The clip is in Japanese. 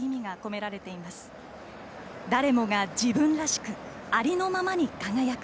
誰もが自分らしくありのままに輝く。